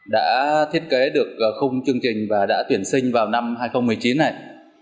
đã thiết kế được khung chương trình và đã tuyển sinh vào năm hai nghìn một mươi chín này